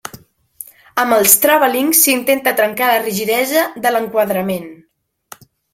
Amb els tràvelings s'intenta trencar la rigidesa de l'enquadrament.